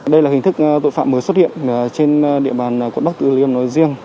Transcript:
đây là hình thức tội phạm mới xuất hiện trên địa bàn quận bắc tử liêm nói riêng